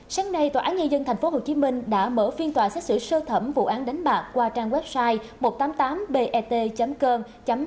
sáng nay tòa án nhà dân tp hcm đã mở phiên tòa xét xử sơ thẩm vụ án đánh bạc qua trang website một trăm tám mươi tám bet com sáu mươi sáu